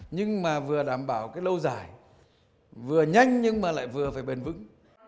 nhưng mà vừa đảm bảo cái lâu dài vừa nhanh nhưng mà lại vừa phải bền vững